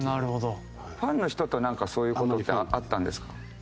ファンの人とそういう事ってあったんですか？